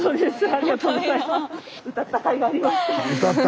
ありがとうございます。